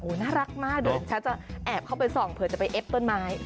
โอ้วน่ารักมากดูช้าจะแอบเข้าไปส่องเผื่อจะไปเอ๊บต้นไม้